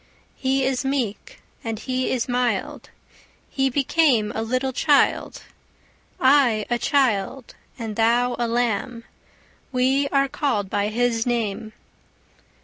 He is meek, and He is mild, He became a little child. I a child, and thou a lamb, We are callèd by His name.